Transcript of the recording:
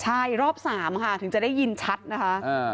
ใช่รอบ๓ค่ะถึงจะได้ยินชัดนะคะ